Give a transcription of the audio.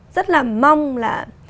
rất là mong là